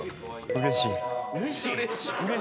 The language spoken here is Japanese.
うれしい。